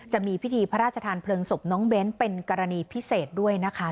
จะมีพิธีพระราชทานเพลิงศพน้องเบ้นเป็นกรณีพิเศษด้วยนะคะ